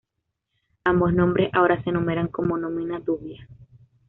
Ambos nombres ahora se enumeran como "nomina dubia".